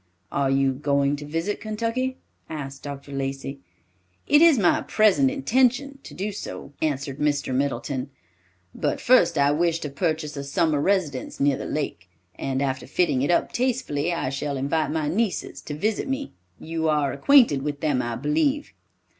"Are you going to visit Kentucky?" asked Dr. Lacey. "It is my present intention to do so," answered Mr. Middleton; "but first I wish to purchase a summer residence near the Lake, and after fitting it up tastefully, I shall invite my nieces to visit me. You are acquainted with them, I believe."